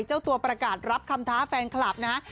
เจ้าตัวประกาศรับคำท้าแฟนคลับนะฮะ